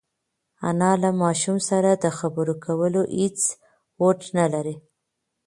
انا له ماشوم سره د خبرو کولو هېڅ هوډ نهلري.